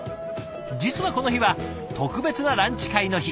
実はこの日は特別なランチ会の日。